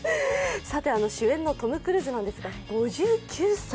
主演のトム・クルーズさんですが５９歳。